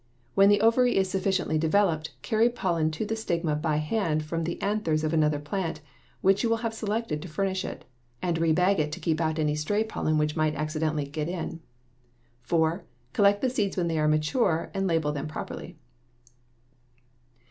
40); (3) when the ovary is sufficiently developed, carry pollen to the stigma by hand from the anthers of another plant which you have selected to furnish it, and rebag to keep out any stray pollen which might accidentally get in; (4) collect the seeds when they are mature and label them properly.